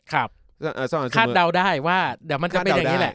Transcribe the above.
คาดเดาได้ว่าเดี๋ยวมันจะเป็นอย่างนี้แหละ